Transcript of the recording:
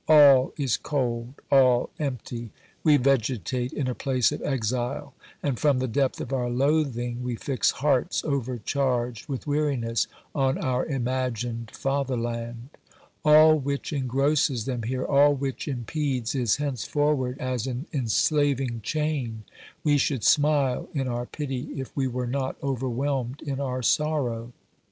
All is cold, all empty ; we vegetate in a place of exile, and from the depth of our loathing we fix hearts overcharged with weariness on our imagined fatherland. All which engrosses them here, all which impedes, is henceforward as an enslaving chain ; we should smile in our pity if we were not overwhelmed in our sorrow.